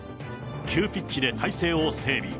急ピッチで体制を整備。